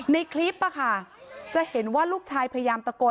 ในคลิปจะเห็นว่าลูกชายพยายามตะโกน